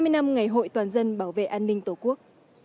hai mươi năm ngày hội toàn dân bảo vệ an ninh tổ quốc